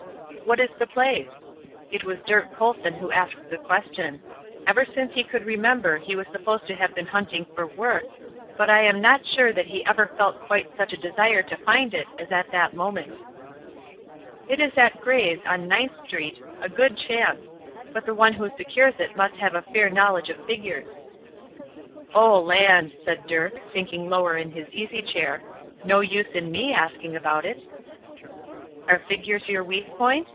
"What is the place?" It was Dirk Colson who asked the question. Ever since he could remember he was supposed to have been hunting for work, but I am not sure that he ever felt quite such a desire to find it as at that moment. "It is at Gray's, on Ninth Street, a good chance; but the one who secures it must have a fair knowledge of figures." "Oh, land!" said Dirk, sinking lower in his easy chair. "No use in me asking about it." "Are figures your weak point?"